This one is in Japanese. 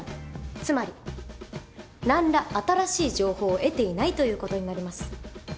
つまり何ら新しい情報を得ていないということになります。